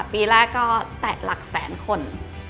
ปีแรกก็แตะหลักแสนคน